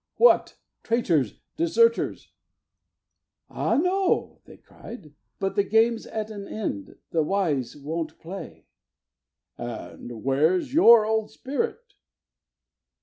What! traitors? deserters?" "Ah no!" cried they; "But the 'game's' at an end; the 'wise' wont play." "And where's your old spirit?"